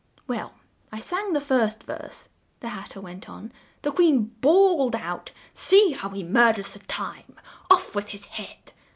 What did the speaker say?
"Well, while I sang the first verse," the Hat ter went on, "the Queen bawled out 'See how he mur ders the time! Off with his head!'